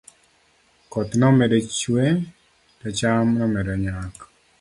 koth nomedo chuwe to cham nomedo nyak